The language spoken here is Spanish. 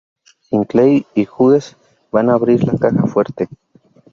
Sinclair y Hughes van a abrir la caja fuerte.